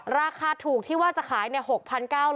ราคาถูกที่ว่าจะขาย๖๙บาท